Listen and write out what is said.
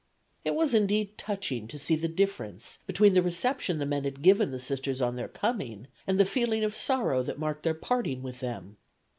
It was indeed touching to see the difference between the reception the men had given the Sisters on their coming and the feeling of sorrow that marked their parting with them.